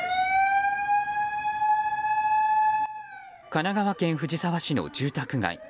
神奈川県藤沢市の住宅街。